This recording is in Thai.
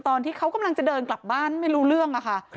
ตอนที่เขากำลังจะเดินกลับบ้านไม่รู้เรื่องค่ะ